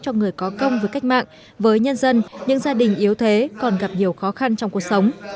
cho người có công với cách mạng với nhân dân những gia đình yếu thế còn gặp nhiều khó khăn trong cuộc sống